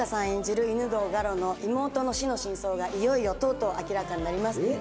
演じる犬堂我路の妹の死の真相がいよいよ明らかになります。